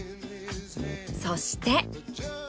そして。